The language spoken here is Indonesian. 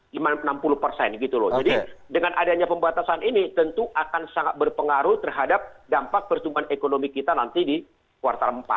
jadi dengan adanya pembatasan ini tentu akan sangat berpengaruh terhadap dampak pertumbuhan ekonomi kita nanti di kuartal empat